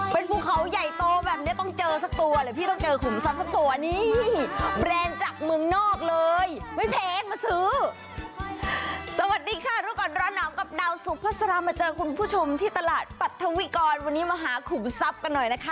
เป็นภูเขาใหญ่โตแบบนี้ต้องเจอสักตัวเลยพี่ต้องเจอขุมทรัพย์สักตัวนี่แบรนด์จากเมืองนอกเลยไม่แพงมาซื้อสวัสดีค่ะรู้ก่อนร้อนหนาวกับดาวสุภาษามาเจอคุณผู้ชมที่ตลาดปรัฐวิกรวันนี้มาหาขุมทรัพย์กันหน่อยนะคะ